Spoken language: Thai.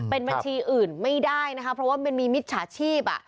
เป็นบัญชีอื่นไม่ได้นะคะเพราะว่ามันมีมิจฉาชีพ